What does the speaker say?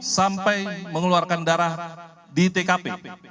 sampai mengeluarkan darah di tkp